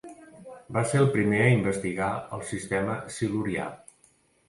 Va ser el primer a investigar el sistema silurià.